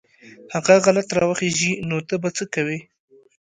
هغه غلط راوخېژي نو ته به څه وکې.